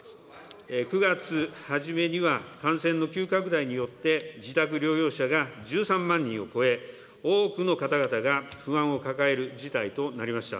９月初めには、感染の急拡大によって、自宅療養者が１３万人を超え、多くの方々が不安を抱える事態となりました。